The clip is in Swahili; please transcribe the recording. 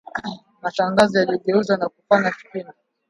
Matangazo yaligeuzwa na kufanywa kipindi